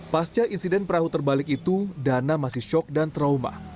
pasca insiden perahu terbalik itu dana masih shock dan trauma